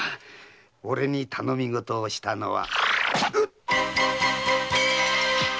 俺に頼みごとをしたのは。